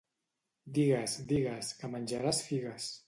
Digues, digues, que menjaràs figues.